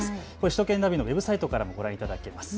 首都圏ナビのウェブサイトからもご覧いただけます。